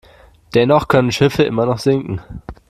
Dennoch können Schiffe immer noch sinken.